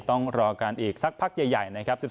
ต้องรอกันอีกสักพักใหญ่นะครับ